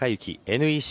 ＮＥＣ